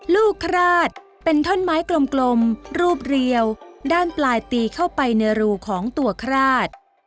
ลูกคราดเป็นท่อนไม้กลมรูปเรียวด้านปลายตีเข้าไปในรูของตัวคราด